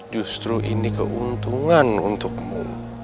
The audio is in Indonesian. justru ini keuntungan untukmu